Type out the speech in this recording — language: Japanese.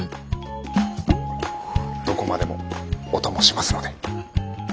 どこまでもお供しますので。